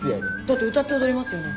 だって歌って踊りますよね？